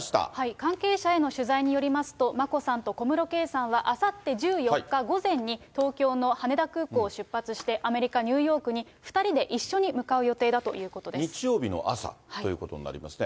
関係者への取材によりますと、眞子さんと小室圭さんは、あさって１４日午前に、東京の羽田空港を出発して、アメリカ・ニューヨークに２人で一緒に向かう予定だということで日曜日の朝ということになりますね。